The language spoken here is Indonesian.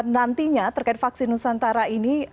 nantinya terkait vaksin nusantara ini